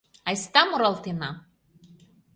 Айста муралтена!